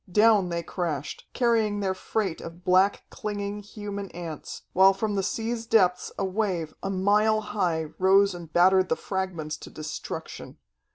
Down they crashed, carrying their freight of black, clinging, human ants, while from the sea's depths a wave, a mile high, rose and battered the fragments to destruction.